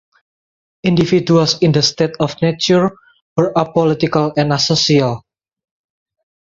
Individuals in the state of nature were apolitical and asocial.